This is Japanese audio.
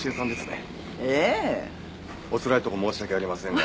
おつらいところ申し訳ありませんが。